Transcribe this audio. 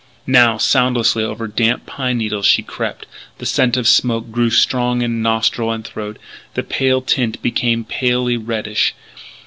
Now, soundlessly over damp pine needles she crept. The scent of smoke grew strong in nostril and throat; the pale tint became palely reddish.